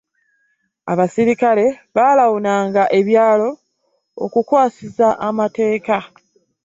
abaserikale baalawunanga ebyalo okukwasisa amateeka.